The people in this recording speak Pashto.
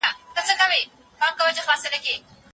خپل کور ته د رڼا لار پرانیزئ.